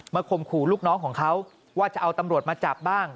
ข่มขู่ลูกน้องของเขาว่าจะเอาตำรวจมาจับบ้าง